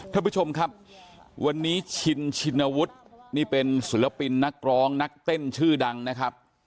ท่านผู้ชมครับวันนี้ชินชินวุฒินี่เป็นศิลปินนักร้องนักเต้นชื่อดังนะครับ